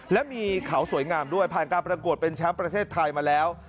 และมีเขาสวยงามด้วยผ่านการประกวดเป็นแชมป์ประเทศไทยมาแล้ว